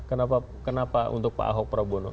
kenapa untuk pak ahok pro bono